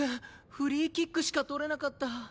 フリーキックしか取れなかった。